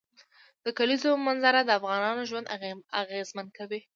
د کلیزو منظره د افغانانو ژوند اغېزمن کوي.